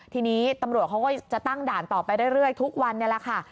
ทีนี้ตำรวจเขาก็จะตั้งด่านต่อไปเรื่อยทุกวันนี้แหละค่ะ